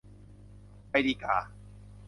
ไปดีก่า